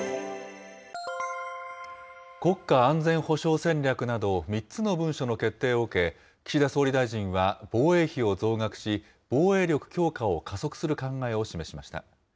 国家安全保障戦略など３つの文書の決定を受け、岸田総理大臣は防衛費を増額し、防衛力強化を加速する考えを示しました。